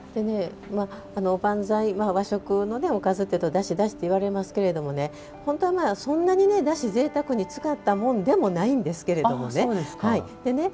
おばんざい和食のおかずっていうとだし、だしっていわれますけど本当はそんなにだしをぜいたくに使ったものでもないんですけどね。